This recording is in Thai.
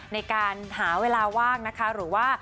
ในการหาเวลาว่างนะคะหรือว่า